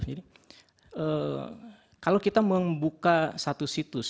jadi kalau kita membuka satu situs